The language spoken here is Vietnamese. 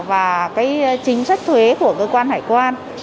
và cái chính sách thuế của cơ quan hải quan